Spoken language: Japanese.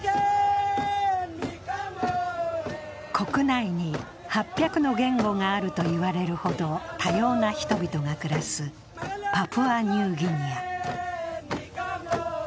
国内に８００の言語があると言われるほど多様な人々が暮らすパプアニューギニア。